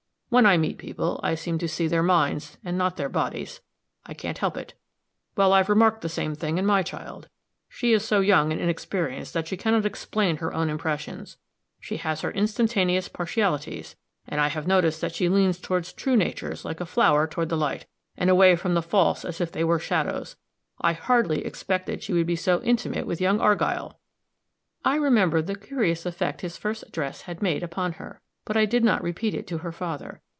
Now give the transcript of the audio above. When I meet people, I seem to see their minds, and not their bodies I can't help it. Well, I've remarked the same thing in my child. She is so young and inexperienced that she can not explain her own impressions; she has her instantaneous partialities, and I have noticed that she leans toward true natures like a flower toward the light, and away from the false as if they were shadows. I hardly expected she would be so intimate with young Argyll." I remembered the curious effect his first address had made upon her; but I did not repeat it to her father.